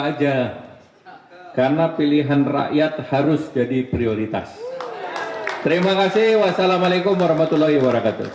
aja karena pilihan rakyat harus jadi prioritas terima kasih wassalamualaikum warahmatullahi wabarakatuh